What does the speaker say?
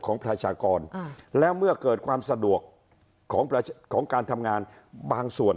ประชากรแล้วเมื่อเกิดความสะดวกของการทำงานบางส่วน